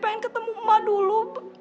pengen ketemu ma dulu